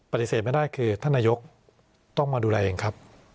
ปฏิเสธไม่ได้คือท่านนายกต้องมาดูแลเองครับ